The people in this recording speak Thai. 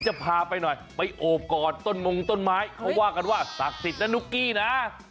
จะพาไปหน่อยไปโอบกอดต้นมงต้นไม้เขาว่ากันว่าศักดิ์สิทธิ์นะนุ๊กกี้นะ